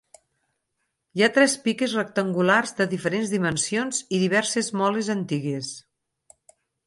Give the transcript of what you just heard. Hi ha tres piques rectangulars de diferents dimensions i diverses moles antigues.